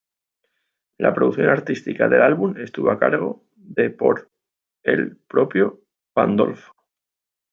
La producción artística del álbum estuvo a cargo de por el propio Pandolfo.